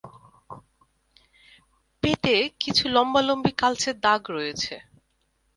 পেটে কিছু লম্বালম্বি কালচে দাগ রয়েছে।